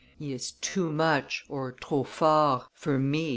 "He is too much (trop fort) for me," M.